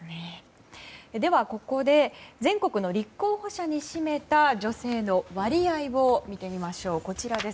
では、ここで全国の立候補者に占めた女性の割合を見てみましょう。